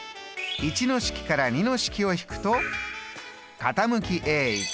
①の式から②の式を引くと傾き＝